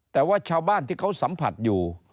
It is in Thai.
แต่ว่าชาวบ้านที่เขาสัมผัสอยู่